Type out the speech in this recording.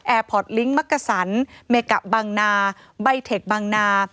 พอร์ตลิงค์มักกะสันเมกะบังนาใบเทคบังนา